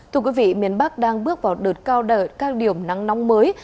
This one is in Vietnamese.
thưa quý vị miền bắc đang bước vào đợt cao đời cao điểm nắng nóng mới